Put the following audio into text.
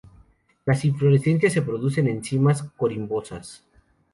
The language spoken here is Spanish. Las inflorescencias se producen en cimas corimbosas.